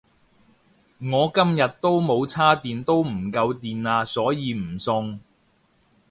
我今日都冇叉電都唔夠電呀所以唔送